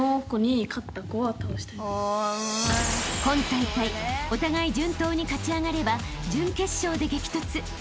［今大会お互い順当に勝ち上がれば準決勝で激突］